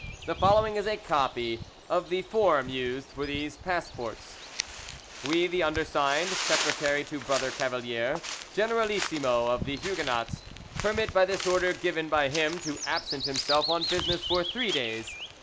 The following is a copy of the form used for these passports: "We, the undersigned, secretary to Brother Cavalier, generalissimo of the Huguenots, permit by this order given by him to absent himself on business for three days.